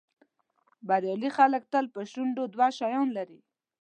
بریالي خلک تل په شونډو دوه شیان لري.